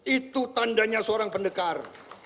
itu tandanya seorang pendekar